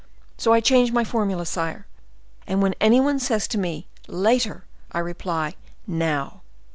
So I change my formula, sire; and when any one says to me 'Later,' I reply 'Now.